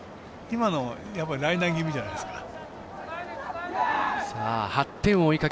今のライナー気味じゃないですか。